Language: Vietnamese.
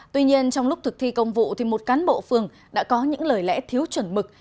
tuy nhiên trong lúc thực thi công vụ một cán bộ phường đã có những lời lẽ thiếu chuẩn mực